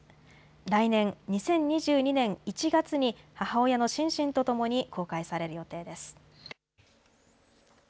来年・２０２２年１月に母親のシンシンとともに公開される予定です。